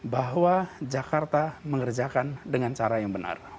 bahwa jakarta mengerjakan dengan cara yang benar